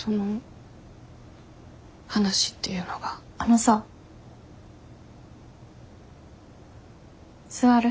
あのさ座る？